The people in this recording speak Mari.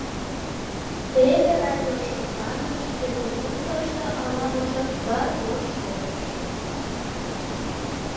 Теве радио шыпланыш, репродукторышто ала-можо кыр-гор шоктыш.